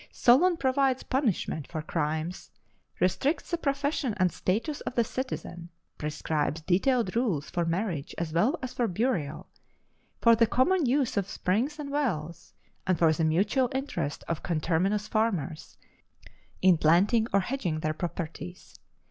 Solon provides punishment for crimes, restricts the profession and status of the citizen, prescribes detailed rules for marriage as well as for burial, for the common use of springs and wells, and for the mutual interest of conterminous farmers in planting or hedging their properties.